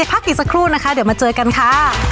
พักอีกสักครู่นะคะเดี๋ยวมาเจอกันค่ะ